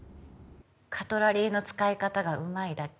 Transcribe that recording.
「カトラリーの使い方がうまいだけ」